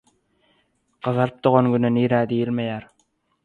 Gyzaryp dogan Güne «Nirä?» diýilmeýär.